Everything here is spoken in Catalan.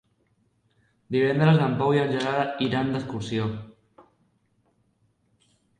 Divendres en Pau i en Gerard iran d'excursió.